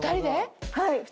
はい。